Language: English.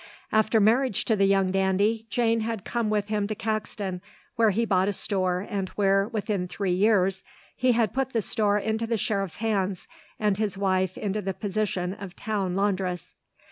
After marriage to the young dandy, Jane had come with him to Caxton where he bought a store and where, within three years, he had put the store into the sheriff's hands and his wife into the position of town laundress.